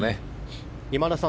今田さん